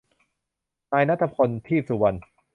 นายณัฏฐพล ทีปสุวรรณ